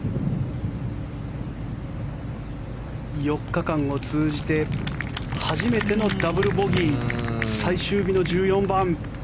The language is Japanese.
４日間を通じて初めてのダブルボギー最終日の１４番。